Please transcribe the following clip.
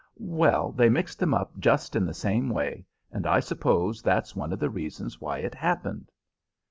"Well, they mixed them up just in the same way, and I suppose that's one of the reasons why it happened."